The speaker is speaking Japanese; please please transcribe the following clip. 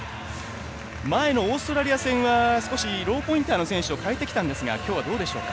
前のオーストラリア戦は少しローポインターの選手を変えてきたんですがきょうはどうでしょう？